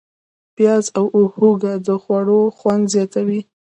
پیاز او هوږه د خوړو خوند زیاتوي.